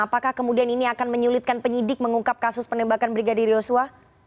apakah kemudian ini akan menyulitkan penyidik mengungkap kasus penembakan brigadir yosua